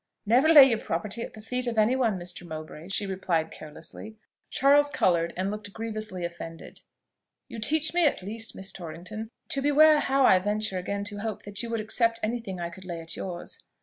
"Never lay your property at the feet of any one, Mr. Mowbray," she replied carelessly. Charles coloured and looked grievously offended. "You teach me at least, Miss Torrington, to beware how I venture again to hope that you would accept any thing I could lay at yours."